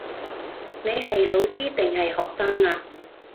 你係老師定係學生呀